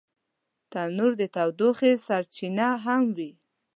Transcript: تنور د تودوخې سرچینه هم وي